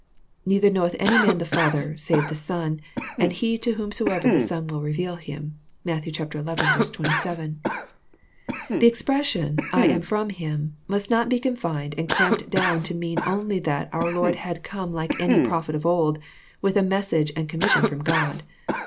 Neither knoweth any man the Father save the Son, and he to whomsoever the Son wiU reveal Him." (Matt. xi. 27.) The expression " I am fi*om Him, must not be confined and cramped down to mean only that our Lord had come like any prophet of old, with a message and commission from God.